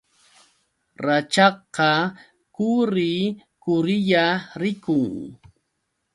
Rachakqa kuurri kurrilla rikun.